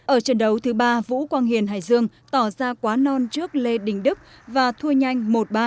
ở trận đấu thứ ba vũ quang hiền hải dương tỏ ra quá non trước lê đình đức và thua nhanh một ba